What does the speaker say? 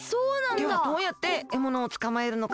ではどうやってえものをつかまえるのか？